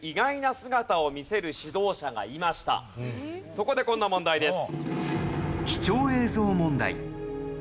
そこでこんな問題です。